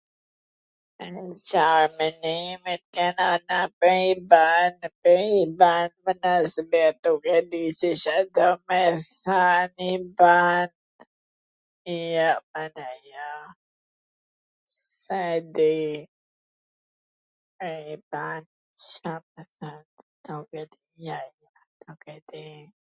Car mendimi kena per ... jo, pwr ner, jo, s'e di, nuk e di.